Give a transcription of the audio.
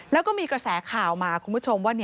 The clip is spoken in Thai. แล้วก็มีกระแสข่าวมาคุณผู้ชมว่า